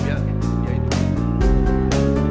biar dia hidup